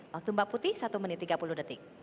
waktu mbak putih satu menit tiga puluh detik